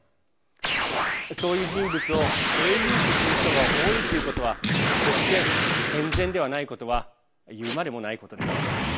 そういう人物を英雄視する人が多いということは決して健全ではないことはいうまでもないことです。